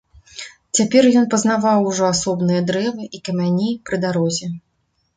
Цяпер ён пазнаваў ужо асобныя дрэвы і камяні пры дарозе.